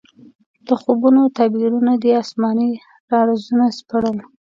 د خوبونو تعبیرونه دې اسماني رازونه سپړل.